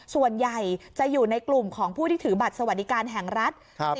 ส่วนใหญ่จะอยู่ในกลุ่มของผู้ที่ถือบัตรสวัสดิการแห่งรัฐ